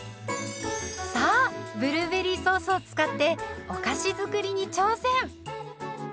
さあブルーベリーソースを使ってお菓子作りに挑戦。